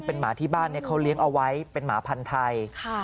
หมาที่บ้านเขาเลี้ยงเอาไว้เป็นหมาพันธุ์ไทย